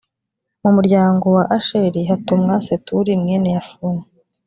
mu muryango wa asheri hatumwa seturi mwene yafune